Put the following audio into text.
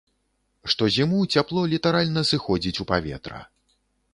Штозіму цяпло літаральна сыходзіць у паветра.